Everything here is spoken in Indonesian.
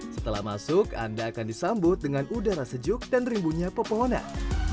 setelah masuk anda akan disambut dengan udara sejuk dan rimbunya pepohonan